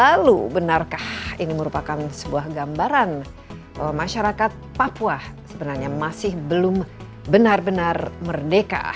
lalu benarkah ini merupakan sebuah gambaran masyarakat papua sebenarnya masih belum benar benar merdeka